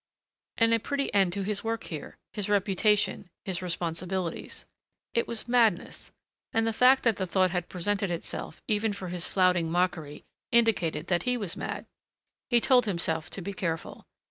And a pretty end to his work here, his reputation, his responsibilities It was madness. And the fact that the thought had presented itself, even for his flouting mockery, indicated that he was mad. He told himself to be careful.